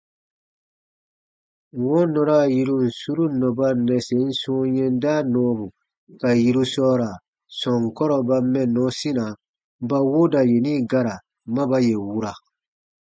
Wɔ̃ɔ nɔra yirun suru nɔba nnɛsen sɔ̃ɔ yɛnda nɔɔbu ka yiru sɔɔra sɔnkɔrɔ ba mɛnnɔ sina ba wooda yeni gara ma ba yè wura.